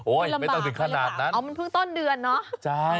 ไม่ต้องถึงขนาดนั้นอ๋อมันเพิ่งต้นเดือนเนอะใช่